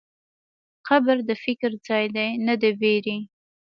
قبر د فکر ځای دی، نه د وېرې.